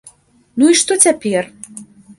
Ну і што цяпер?